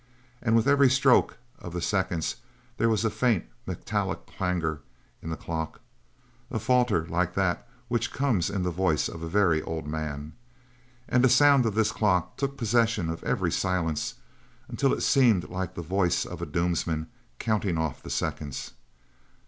And with every stroke of the seconds there was a faint, metallic clangor in the clock a falter like that which comes in the voice of a very old man. And the sound of this clock took possession of every silence until it seemed like the voice of a doomsman counting off the seconds.